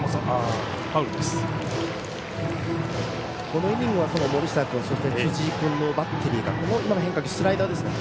このイニングは森下君、辻井君のバッテリーが今の変化球、スライダーですね。